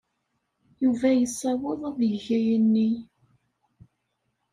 Yuba yessaweḍ ad yeg ayenni.